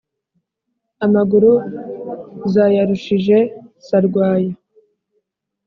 amaguru zayarushije sarwaya